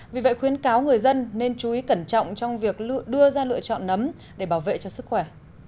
vì vậy khuyến cáo người dân nên chú ý cẩn trọng trong việc đưa ra lựa chọn nấm để bảo vệ cho sức khỏe